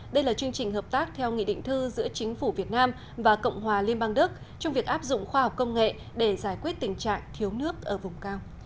đây là chương trình hợp tác theo nghị định thư giữa chính phủ việt nam và cộng hòa liên bang đức trong việc áp dụng khoa học công nghệ để giải quyết tình trạng thiếu nước ở vùng cao